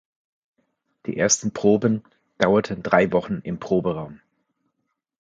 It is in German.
Die ersten Proben dauerten drei Wochen im Proberaum.